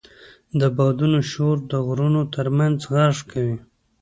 د بادونو شور د غرونو تر منځ غږ کوي.